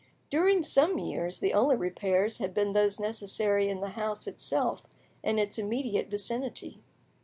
During some years the only repairs had been those necessary in the house itself and its immediate vicinity.